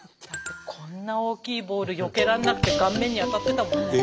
こんなに大きいボールよけられなくて顔面に当たってたもんね。